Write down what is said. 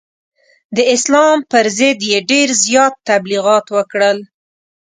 د اسلام پر ضد یې ډېر زیات تبلغیات وکړل.